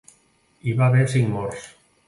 Hi va haver cinc morts.